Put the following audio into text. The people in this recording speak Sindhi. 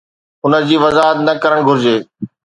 ان جي وضاحت نه ڪرڻ گهرجي.